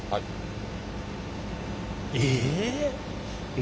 え？